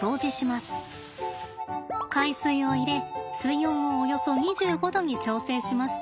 海水を入れ水温をおよそ２５℃に調整します。